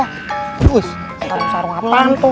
sarung sarung apaan tuh